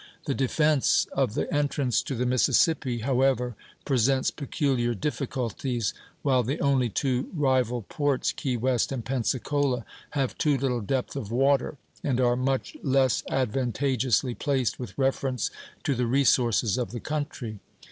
The defence of the entrance to the Mississippi, however, presents peculiar difficulties; while the only two rival ports, Key West and Pensacola, have too little depth of water, and are much less advantageously placed with reference to the resources of the country.